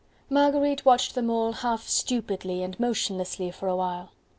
Marguerite watched them all half stupidly and motionlessly for awhile.